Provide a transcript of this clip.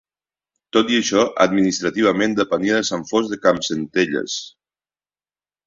Tot i això, administrativament depenia de San Fost de Campsentelles.